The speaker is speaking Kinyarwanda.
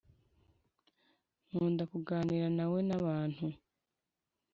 nkunda kuganira nawe nabantu